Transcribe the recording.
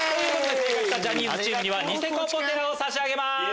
正解したジャニーズチームにはニセコポテラを差し上げます。